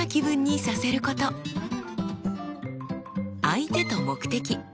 相手と目的。